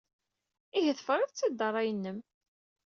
Ihi, tefrid-tt-id ed ṛṛay-nnem?